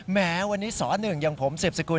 แม้วันนี้สหนึ่งอย่างผมสืบสกุล